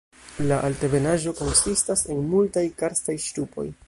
La altebenaĵo konsistas en multaj karstaj ŝtupoj.